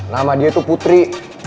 nama dia itu putri